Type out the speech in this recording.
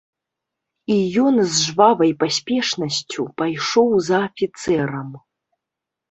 І ён з жвавай паспешнасцю пайшоў за афіцэрам.